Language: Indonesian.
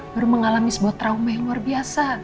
baru mengalami sebuah trauma yang luar biasa